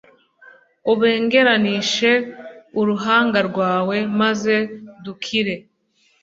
ubengeranishe uruhanga rwawe, maze dukire